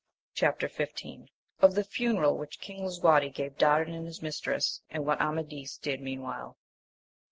— Of the funeral which King Lisuarte gave Dardan and his Mistress, and what Amadis did meanwhile.